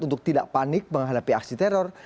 untuk tidak panik menghadapi aksi teror